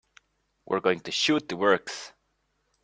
We're going to shoot the works.